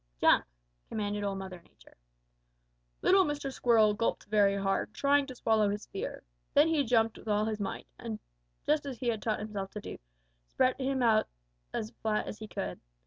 "'Jump!' commanded Old Mother Nature. "Little Mr. Squirrel gulped very hard, trying to swallow his fear. Then he jumped with all his might, and just as he had taught himself to do, spread himself out as flat as he could.